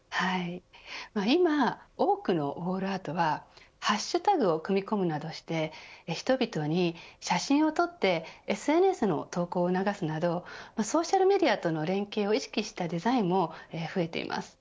今、多くのウォールアートはハッシュタグを組み込むなどして人々に写真を撮ってＳＮＳの投稿を促すなどソーシャルメディアとの連携を意識したデザインも増えています。